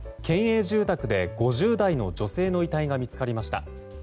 県営住宅で５０代の女性の遺体が見つかりました。